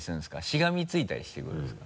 しがみついたりしてくるんですか？